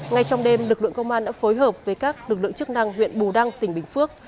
ngay trong đêm lực lượng công an đã phối hợp với các lực lượng chức năng huyện bù đăng tỉnh bình phước